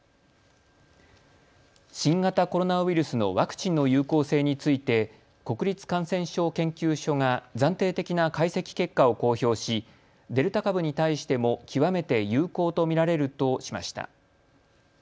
新型コロナウイルスのワクチンの有効性について国立感染症研究所が暫定的な解析結果を公表しデルタ株に対しても極めて有効と見られるとしました。